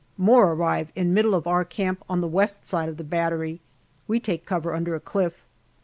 More arrive in middle of our camp on the west side of the battery. We take cover under a cliff.